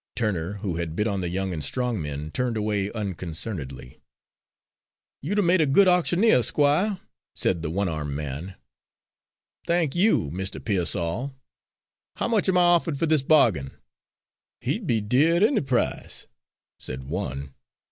Turner, who had bid on the young and strong men, turned away unconcernedly. "You'd 'a' made a good auctioneer, Squire," said the one armed man. "Thank you, Mr. Pearsall. How much am I offered for this bargain?" "He'd be dear at any price," said one.